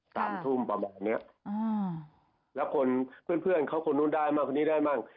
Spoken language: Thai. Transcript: สามทุ่มประมาณเนี้ยอ่าแล้วคนเพื่อนเพื่อนเขาคนนู้นได้มั่งคนนี้ได้มั่ง